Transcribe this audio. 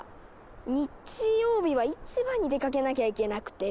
日曜日は市場に出かけなきゃいけなくて。